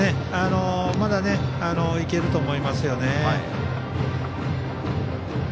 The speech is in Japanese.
まだ、いけると思います。